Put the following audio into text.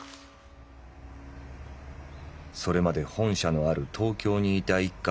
「それまで本社のある東京にいた一家は